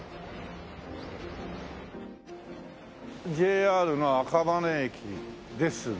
ＪＲの赤羽駅ですね。